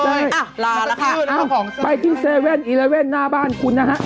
ลาแล้วค่ะไปที่๗๑๑หน้าบ้านคุณนะฮะ